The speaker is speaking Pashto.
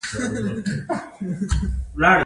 د پینګوین وزرونه د لامبو لپاره دي